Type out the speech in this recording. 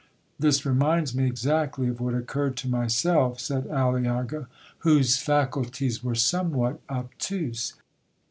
'—'This reminds me exactly of what occurred to myself,' said Aliaga, whose faculties were somewhat obtuse.